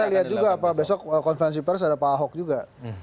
kita lihat juga apa besok konferensi pers ada pak ahok juga